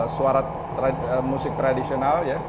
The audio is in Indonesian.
suara musik tradisional ya